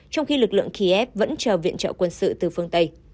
trong khi lực lượng kiev vẫn chờ viện trợ quân sự từ phương tây